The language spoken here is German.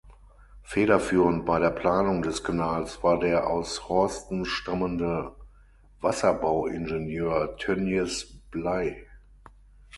Federführend bei der Planung des Kanals war der aus Horsten stammende Wasserbauingenieur Tönjes Bley.